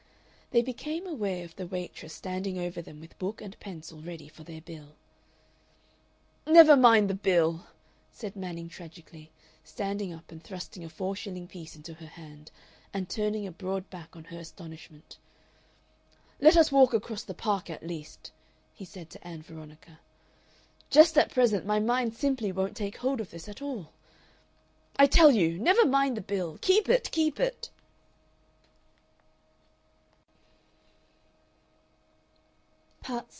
They became aware of the waitress standing over them with book and pencil ready for their bill. "Never mind the bill," said Manning tragically, standing up and thrusting a four shilling piece into her hand, and turning a broad back on her astonishment. "Let us walk across the Park at least," he said to Ann Veronica. "Just at present my mind simply won't take hold of this at all.... I tell you never mind the bill. Keep it! Keep it!"